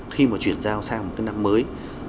khi mà chuyển giao sang một cái năm mới